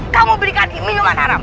kamu belikan minuman haram